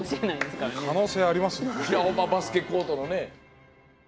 バスケコートのね。